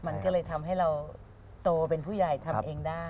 มันก็เลยทำให้เราโตเป็นผู้ใหญ่ทำเองได้